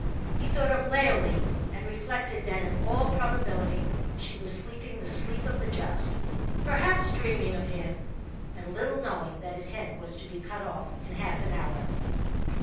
He thought of Leoline, and reflected that in all probability she was sleeping the sleep of the just perhaps dreaming of him, and little knowing that his head was to be cut off in half an hour.